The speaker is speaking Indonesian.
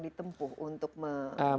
ditempuh untuk menyelesaikan